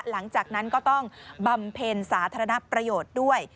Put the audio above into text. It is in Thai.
หลังจากนั้นก็ต้องบำเพ็ญสาธารณประโยชน์ด้วย